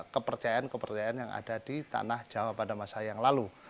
kepercayaan kepercayaan yang ada di tanah jawa pada masa yang lalu